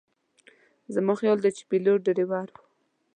زما خیال دی چې پیلوټ ډریور و.